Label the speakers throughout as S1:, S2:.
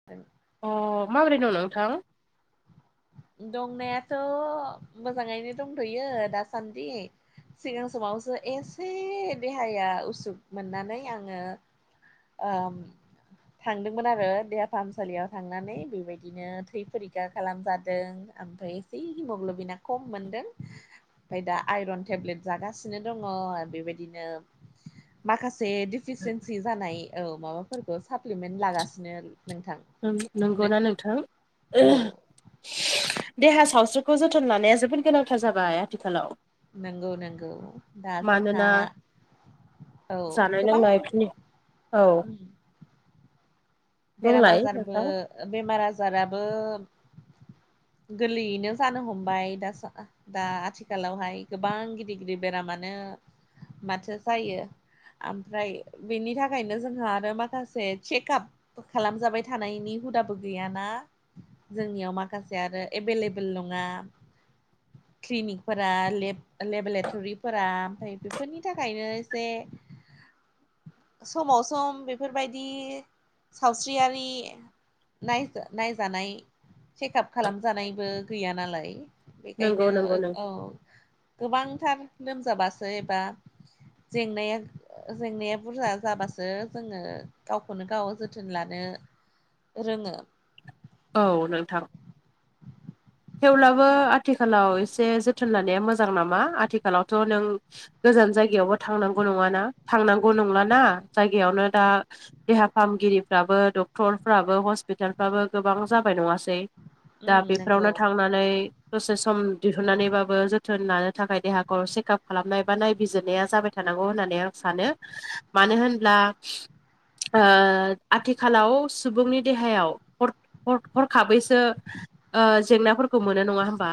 S1: द [unintelligible]
S2: अ माबोरै दं नोंथां?
S1: दंनायाथ' मोजाङैनो दंथ'यो दासान्दि सिगां समावसो एसे देहाया उसुग मोननानै आङो ओम थांदोंमोन आरो देहा फाहामसालियाव थांनानै बेबायदिनो थै फरिखा खालामजादों ओमफ्राय थै हिमग्ल'बिना खम मोनदों ओमफाय दा आइरन टेब्लेट जागासिनो दङ बेबायदिनो माखासे दिफिसिन्सि जानाय औ माबाफोरखौ साप्लिमेन्ट लागासिनो नोंथां
S2: ओं नंगौना नोंथां
S1: औ
S2: ओह देहा सावस्रिखौ जोथोन लानाया जोबोद गोनांथार जाबाय आथिखालाव
S1: नंगौ नंगौ दाजोंहा
S2: मानोना
S1: औ
S2: जानाय
S1: गोबां
S2: लोंनायफोरनि औ
S1: ओम बेराम
S2: बुंलाय
S1: आजारबो
S2: नोंथां
S1: बेमार आजाराबो गोरलैयैनो जानो हमबाय दा सा दा आथिखालावहाय गोबां गिदिर गिदिर बेरामानो माथो जायो ओमफ्राय बेनि थाखायनो जोंहा आरो माखासे चेकाप खालामजाबाय थानायनि हुदाबो गैयाना जोंनियाव माखासे आरो एभेलेबेल नङा क्लिनिकफोरा लेब लेबरेटरिफोरा ओमफ्राय बेफोरनि थाखायनो एसे समाव सम बेफोरबायदि सावस्रियारि नायजा नायजानाय चेकाप खालामजानायबो गैया नालाय बेखायनो
S2: नंगौ नंगौ नों
S1: ओव गोबांथार लोमजाबासो एबा जेंनाया जेंनाया बुरजा जाबासो जोङो गावखौनो गाव जो थोन लानो रोङो।
S2: औ नोंथां। थेवब्लाबो आथिखालाव एसे जोथोन लानाया मोजां नामा आथिखालावथ' नों गोजान जायगायावबो थांनांगौ नङाना थांनांगौ नंलाना जायगायावनो दा देहा फाहामगिरिफ्राबो डक्टरफ्राबो हस्पिटालफ्राबो गोबां जाबाय नङासै
S1: उम
S2: दा बेफोरावनो
S1: नंगौ
S2: थांनानै दसे सम दिहुननानैबाबो जोथोन लानो थाखाय देहाखौ चेकआप खालामनाय बा नायबिजिरनाया जाबाय थानांगौ होननानै आं सानो मानो होनब्ला ओ आथिखालाव सुबुंनि देहायाव हर हर हरखाबैसो ओ जेंनाफोरखौ मोनो नङा होमबा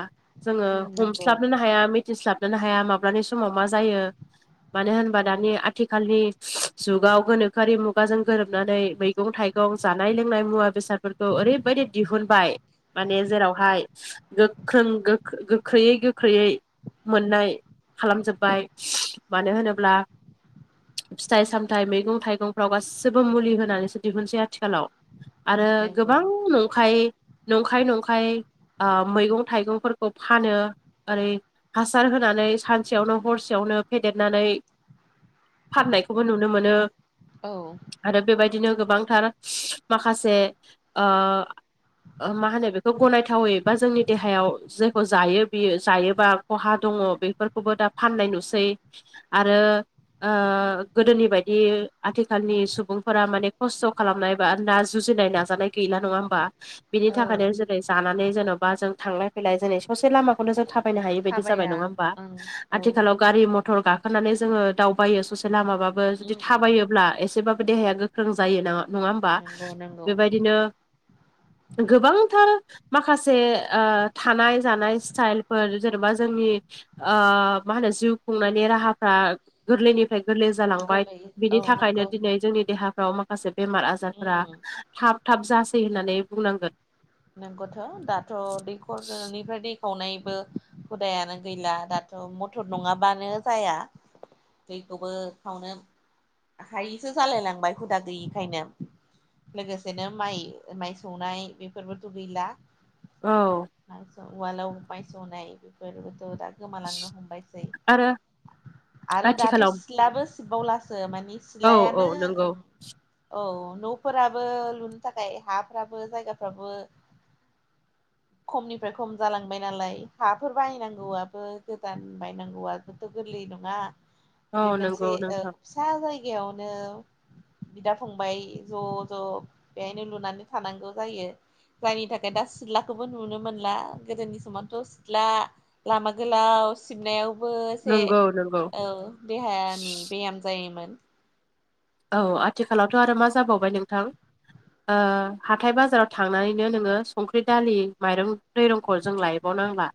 S2: जोङो
S1: उम नंगौ
S2: हमस्लाबनो नो हा हाया मिथिस्लाबनोनो हाया माब्लानि समाव मा जायो मानो होनबा दानि आथिखालनि जुगाव गोनोखोआरि मुगाजों गोरोबनानै बै मैगं थाइगं जानाय लोंनाय मुवा बेसादफोरखौ ओरैबायाददि दिहुनबाय माने जेराव हाय गोख्रों गो-गोख्रैयै गोख्रैयै मोननाय खालामजोब्बाय मानो होनोब्ला फिथाइ सामथाइ मैगं थाइगंफ्राव गासैबो मुलि होनानैसो दिहुनसै आथिखालाव। आरो
S1: नंगौ
S2: गोबां नंखाय, नंखाय नंखाय ओ मैगं थाइगंफोरखौ फानो ओरै हासार होनानै सानसेयावनो हरसेयावनो फेदेरनानै फाननायखौबो नुनो मोनो।
S1: औ।
S2: आरो बेबायदिनो गोबांथार माखासे ओ ओ मा होनो बेखौ गनाय थावै बा जोंनि देहायाव जायखौ जायो बियो जायोबा खहा दङ बेफोरखौबो दा फाननाय नुसै आरो ओ गोदोनि बायदि आथिखालनि सुबुंफोरा माने खस्थ' खालामनाय बा ना जुजिनाय ना जानाय गैला नङा होम्बा। बिनि
S1: औ
S2: थाखायनो जेरै जानानै जेन'बा जों थांलाय फैलाय ससे लामाखौनो जों थाबायनो हायि बायदि जाबाय
S1: थाबाया
S2: नङा होनबा?
S1: ओं औ
S2: आथिखालाव गारि मथर गाखोनानै जोङो दावबायो ससे लामाबाबो। जुदि
S1: उम
S2: थाबायो ब्ला एसेबाबो देहाया गोख्रों जायो ना नङा होमबा,
S1: नंगौ नंगौ
S2: बेबायदिनो गोबांथार माखासे ओ थानाय जानाय स्टाइलफोर जेनेबा जोंनि ओ मा होनो जिउ खुंनायनि राहाफ्रा गोरलैनि फ्राय गोरलै जालांबाय।
S1: गोरलै औ
S2: बिनि थाखायनो
S1: नंगौ
S2: दिनै जोंनि देहाफ्राव माखासे बेमार आजारफ्रा
S1: उम
S2: थाब थाब जासै होननानै बुंनांगोन।
S1: नंगौथ' दाथ' दैखरनिफ्राय दै खावनायबो हुदायानो गैला दाथ' मथर नङाबानो जाया। दैखौबो खावनो हायिसो जालाय लांबाय हुदा गैयिखायनो। लोगोसेनो माइ माइ सौनाय बेफोरबोथ' गैला
S2: औ।
S1: आरो उवालाव माय सौनाय बेफोरबोथ' दा गोमालांनो हमबायसै
S2: आरो
S1: आरो दाथ'
S2: आथिखालाव
S1: सिथलाबो सिबबावलासो माने
S2: औ औ
S1: सिलायानो
S2: नंगौ
S1: औ न'फोराबो लुनो थाखाय हाफ्राबो जायगा फ्राबो खमनिफ्राय खम जालांबाय नालाय, हाफोर बायनांगौआबो गोदान बायनांगौआबो गोरलै नङा
S2: औ
S1: बे
S2: नंगौ
S1: मोनसे ओ
S2: नोंथां
S1: फिसा जायगायावनो बिदा फंबाय ज' ज' बेहायनो लुनानै थानांगौ जायो जायनि थाखाय दा सिथ्लाखौबो नुनो मोनला गोदोनि समावथ' सिथ्ला लामा गोलाव सिबनायावबो एसे
S2: नंगौ नंगौ
S1: औ देहानि ब्याम जायोमोन।
S2: औ आथिखालावथ' आरो मा जाबावबाय नोंथां ओ हाथाय बाजाराव थांनानैनो नोङो संख्रि, दालि, माइरं दैरंखौ जों लायबावनांला।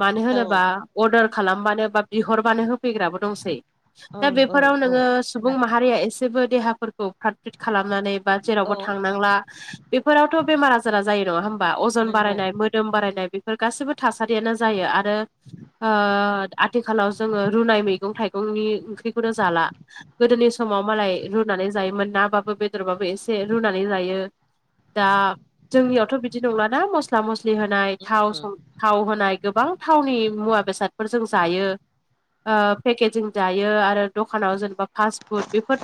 S2: मानो
S1: औ
S2: होनोबा अर्दार खालामबानो बा बिहरबानो होफैग्राबो दंसै। दा
S1: ओं औ
S2: बेफोराव
S1: औ
S2: नोङो सुबुं
S1: खोनादों
S2: माहारिया एसेबो देहाफोरखौ फ्राद फ्राद फ्रिद खालामनानै बा
S1: औ
S2: जेरावबो थांनांला बेफोरावथ' बेमार आजारा जायो नङा होमबा अजन
S1: नंगौ
S2: बारायनाय मो दोम बारायनाय बेफोर गासिबो थासारियानो जायो आरो ओ आथिखालाव जोङो रुनाय मैगं थाइगंनि ओंख्रिखौनो जाला गोदोनि समाव मालाय रुनानै जायोमोन नाबाबो बेदरबाबो एसे रुनानै लायो दा जोंनियावथ' बिदि नंलाना मस्ला मस्लि होनाय थाव
S1: उम
S2: थाव होनाय गोबां थावनि मुवा बेसाद फोर जों जायो पेकेजिं जायो आरो दखानाव जेनेबा फास्ट फुड बेफोर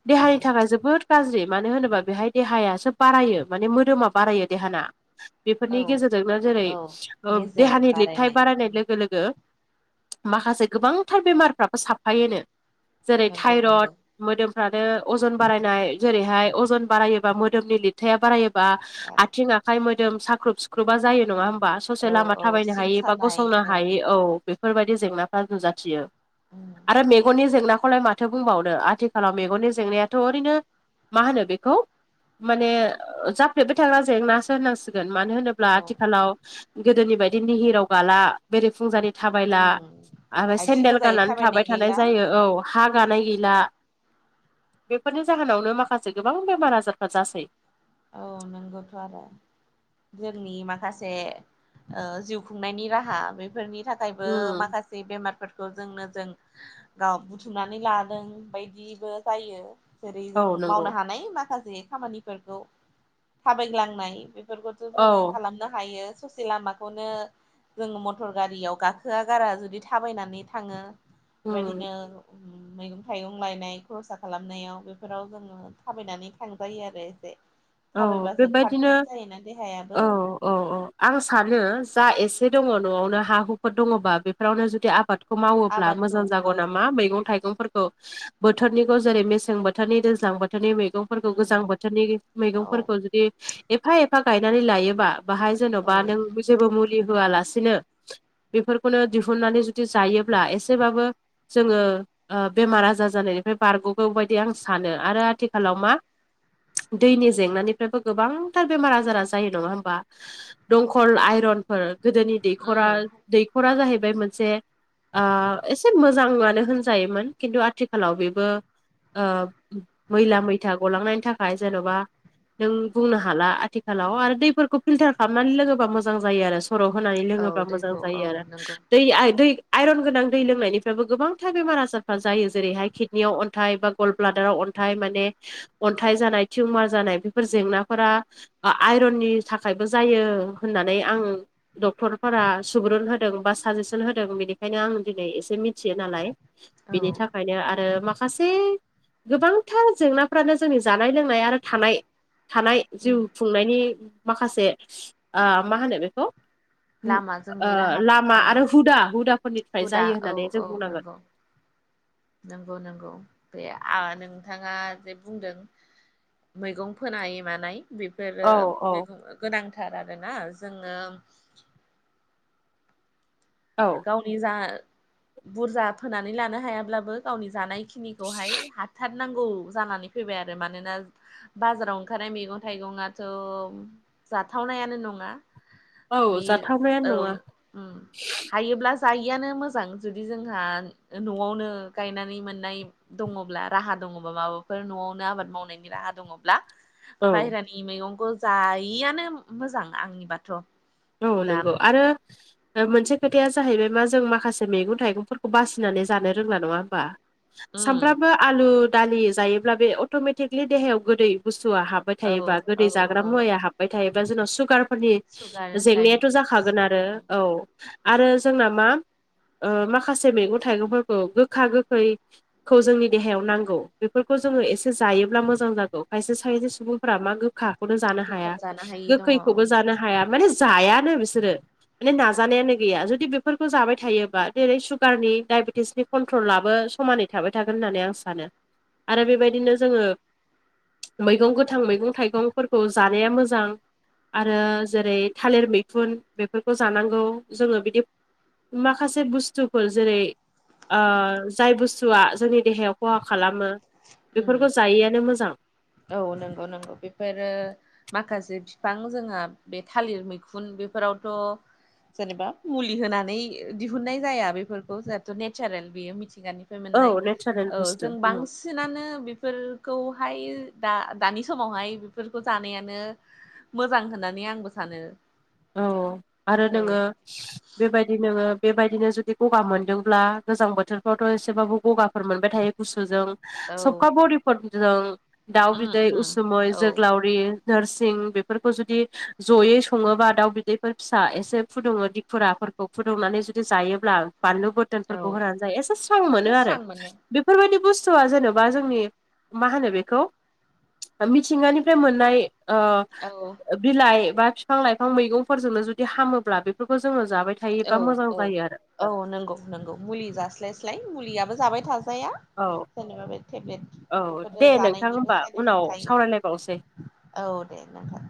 S2: द देहानि थाखाय जोबोद गाज्रि मानो होनोबा बेहाय देहायासो बारायो माने मोदोमा बारायो देहाना
S1: औ
S2: बेफोरनि गेजेरजोंनो जेरै
S1: औ मेजेम
S2: देहानि लिरथाय बारायनाय
S1: उम
S2: लोगो लोगो माखासे गोबांथार बेमारफ्राबो साबफायोनो जेरै
S1: नंगौ नंगौ
S2: थायरड मोदोमफ्रानो अजन बारायनाय जेरैहाय अजन बारायोबा मोदोमनि लिरथाया बारायो बा
S1: औ
S2: आथिं आखाय मोदोम साख्रुब सिुख्रुबा जायो नङा होमबा ससे लामा
S1: औ
S2: थाबायनो
S1: सिन
S2: हायि बा
S1: सानाय
S2: गसंनो
S1: औ
S2: हायो औ बेफोरबायदि जेंनाफ्रा नुजाथियो
S1: उम
S2: आरो मेगननि जेंनाखौलाय माथो बुंबावनो आरो आथिखालाव मेगननि जेंनायाथ' ओरैनो मा होनो बेखौ माने जाफ्लेबाय थाग्रा जेंनासो होनांसिगोन मानो होनो ब्ला
S1: औ
S2: आथिखालाव गोदोनि बायदि निहिराव गाला बेरि फुंजानि थाबायला
S1: उम
S2: आरो
S1: आथिं
S2: सेन्देल
S1: गोजायै
S2: गाननानै
S1: थाबायनाय
S2: थाबाय थानाय
S1: गैला
S2: जायो औ
S1: ओं
S2: हा गानाय गैला बेफोरनि जाहोनावनो माखासे गोबां बेमार आजारफ्रा जासै
S1: औ नोंगौथ' आरो जोंनि माखासे जिउ खुंनायनि राहा बेफोरनि थाखायबो
S2: उम
S1: माखासे बेमारफोरखौ जोंनो जों गाव बुथुमनानै लादों बायदिबो जायो जेरै
S2: औ
S1: जों
S2: नंगौ
S1: मावनो हानाय माखासे खामानिफोरखौ थाबायग्लांनाय बेफोरखौथ'
S2: औ
S1: जोङो खालामनो हायो ससे लामाखौनो जों मटर गारियाव गाखोआ गारा जुदि थाबायनानै थाङो
S2: उम
S1: बेबायदिनो मैगं थाइगं लायनाय खरसा खालामनायाव बेफोराव जोङो थाबायनानै थांजायो आरो एसे
S2: औ
S1: थाबायबासो फ्राद
S2: बेबायदिनो
S1: फ्रिद जायोना देहायाबो
S2: औ औ औ आं सानो जा एसे दङ नआवनो हा हुफोर दङबा बेफोरावनो जुदि आबाद मावोब्ला
S1: आबादखौ
S2: मोजां
S1: औ
S2: जागौ नामा मैगं थाइगं फोर बोथोरनिखौ जेरै मेसें बोथोरनि दैज्लां बोथोरनि मैगंफोरखौ गोजां
S1: उम
S2: बोथोरनि
S1: औ
S2: मैगंफोरखौ जुदि एफा एफा गायनानै लायोबा बाहाय जेनबा नों जेबो मुलि होआलासिनो बेफोरखौनो दिहुननानै जदि जायोब्ला एसेबाबो जोङो ओ बेमार आजार जानायनिफ्राय बारगगौ बायदि आं सानो आरो आथिखालाव मा दैनि जेंनानिफ्रायबो गोबांथार बेमार आजारा जायो नङा होमबा दंखल आइरन फोर गोदोनि दैखरा
S1: उम
S2: दैखरा जाहैबाय मोनसे ऐ एसे मोजांआनो होनजायोमोन खिन्थु आथिखालाव बेबो ऐम मैला मैथा गलांनायनि थाखाय जेनबा नों बुंनो हाला आथिखालाव आरो दैफोरखौ फिल्टार खालामनानै लोङोबा मोजां जायो आरो खर होनानै लोङोब्ला मोजां जायो आरो दै आइ दै आइरन गोनां दै लोंनायनिफ्रायबो गोबांथार बेमार आजारफ्रा जायो जेरैहाय किथ याव अन्थाइ बा गल ब्लादाराव अन्थाइ माने अन्थाइ जानाय टिउमार जानाय बेफोर जेंनाफोरा बा आइरननि थाखायबो जायो होननानै आं डक्टरफोरा सुबुरुन होदों बा साजेसन होदों बेनिखायनो आं दिनै एसे मिथियो नालाय
S1: औ
S2: बेनि थाखायनो आरो माखासे गोबांथार जेंनाफ्रानो जोंनि जानाय लोंनाय आरो थानाय थानाय
S1: उम
S2: जिउ खुंनायनि माखासे ओ मा होनो बेखौ ओ
S1: लामा जोंनि राहा
S2: लामा
S1: औ
S2: आरो हुदा हुदाफोरनिफ्राय
S1: हुदा
S2: जायो
S1: औ
S2: होननानै जों
S1: औ
S2: बुंनांगोन
S1: नंगौ नंगौ नंगौ बे आ नोंथाङा जे बुंदों मैगं फोनाय मानाय बेफोरो
S2: औ औ
S1: मैगं गोनांथार आरोना जोंनो
S2: औ
S1: गावनि जा बुरजा फोनानै लानो हायाब्लाबो गावनि जानायखिनिखौहाय हाथारनांगौ जानानै फैबाय आरो मानोना बाजाराव ओंखारनाय मैगंथाइगंआथ जाथावनायानो नङा
S2: औ
S1: मि
S2: जाथावनायानो
S1: औ
S2: नङा
S1: उम हायोब्ला जायिआनो मोजां जुदि जोंहा नआवनो गायनानै मोननाय दङब्ला राहा दङबा माबाफोर नआवनो आबाद मावनायनि राहा दङब्ला
S2: औ
S1: बायेरानि मैगंखौ जायियानो मोजां आंनिबाथ
S2: औ
S1: दा
S2: नंगौ आरो मोनसे खोथाया जाहैबाय मा जों माखासे मैगं थाइगंफोरखौ बासिनानै जानो रोंला नङा होमबा
S1: उम
S2: सानफ्रामबो आलु दालि जायोब्ला बे अटमेटिकलि देहायाव गोदै बुस्थुआ हाब हाबबाय
S1: औ
S2: थायोबा
S1: औ
S2: गोदै जाग्रा
S1: औ
S2: मुवाया हाब थायोबा जोंनाव सुगारफोरनि
S1: सुगार
S2: जेंनायाथ'
S1: डायबेटिस
S2: जाखागोन आरो
S1: उम
S2: औ आरो जोंना मा ओ माखासे मैगं थाइगंफोरखौ गोखा गोखै खौ जोंनि देहायाव नांगौ बेफोरखौ जोङो एसे जायोब्ला मोजां जागौ खायसे खायसे सुबुंफोरा मा गोखा खौनो जानो
S1: गोखा
S2: हाया
S1: जानो हायि दङ
S2: गोखैखौबो जानो हाया माने जायानो बिसोरो माने नाजानायानो गैया जुदि बेफोरखौ जाबाय थायोबा जेरै सुगारनि डायबेटिसनि कन्ट्रल लाबो समानै थाबाय थागोन होननानै आं सानो आरो बेबायदिनो जोङो मैगं गोथां मैगं थाइगंफोरखौ जानाया मोजां आरो जेरै थालिर मैखुन बेफोरखौ जानांगौ जोङो बिदि माखासे बुस्थुफोर जेरै ओ जाय बुस्थुआ जोंनि देहायाव खहा खालामो
S1: उम
S2: बेफोरखौ जायिआनो मोजां
S1: औ नंगौ नंगौ बेफोरो माखासे फिफां जोंहा बे थालिर मैखुन बेफोरावथ' जेनेबा मुलि होनानै दिहुननाय जाया बेफोरखौ जहेथु नेचारेल बेयो मिथिंगानि फाय
S2: औ
S1: मोननाय
S2: नेचारेल
S1: औ
S2: बुस्थु
S1: जों
S2: उम।
S1: बांसिनानो बेफोरखौहाय दा दानि समावहाय बेफोरखौ जानायानो मोजां होननानै आंबो सानो
S2: औ आरो
S1: औ
S2: नोङो बेबायदि नोङो बेबायदिनो जुदि गगा मोनदोंब्ला गोजां बोथोरफ्रावथ' एसेबाबो गगाफोर मोनबाय थायो गुसुजों
S1: औ
S2: सबखा बरिफोरजों दाउ
S1: उम
S2: बिदै
S1: उम
S2: उसुमै
S1: औ
S2: जोग्लावरि नोरसिं बेफोरखौ जुदि जयै सङोबा दाउ बिदैफोर फिसा एसे फुदुङो दिखुराफोरखौ फुदुंनानै जुदि जायोब्ला बानलु बो
S1: औ
S2: दोनफोरखौ होनानै जायो एसे स्रां
S1: एसे
S2: मोनो आरो
S1: स्रां मोनो
S2: बेफोरबायदि बुस्थुआ जेनेबा जोंनि मा होनो बेखौ मिथिंगानिफ्राय मोननाय
S1: औ
S2: बिलाइ बा फिफां लाइफां मैगं फोरजोंनो जुदि हामोब्ला बेफोरखौ जोङो जाबाय
S1: औ
S2: थायोबा मोजां
S1: औ
S2: जायो आरो
S1: औ नंगौ नंगौ मुलि जास्लायस्लाय मुलियाबो जाबाय थाजाया
S2: औ
S1: जेनेबा बे टेब्लेट
S2: औ दे
S1: बेफोरो
S2: नोंथां
S1: जानायनिबो
S2: होमबा
S1: साइड
S2: उनाव
S1: इफेक्ट थायो
S2: सावरायलायबावसै
S1: औ दे नोंथां